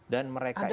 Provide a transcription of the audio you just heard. dan mereka ini